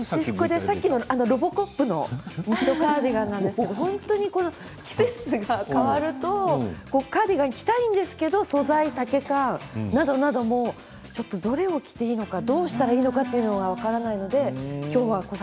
さっきのロボコップのカーディガンなんですけれど本当に季節が変わるとカーディガンを着たいんですが素材や丈感などなどどれを着ていいのか、どうしたらいいのか、が分からないので。